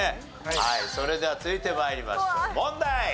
はいそれでは続いて参りましょう問題。